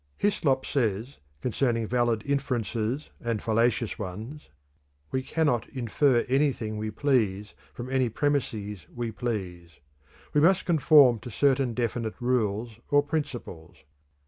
Hyslop says concerning valid inferences and fallacious ones: "We cannot infer anything we please from any premises we please. We must conform to certain definite rules or principles.